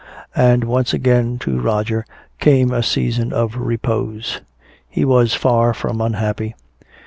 And once again to Roger came a season of repose. He was far from unhappy.